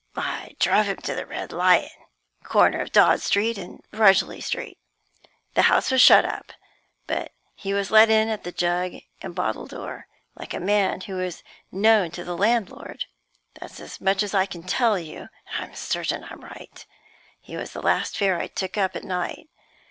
"I drove him to the Red Lion, corner of Dodd Street and Rudgely Street. The house was shut up, but he was let in at the jug and bottle door, like a man who was known to the landlord. That's as much as I can tell you, and I'm certain I'm right. He was the last fare I took up at night.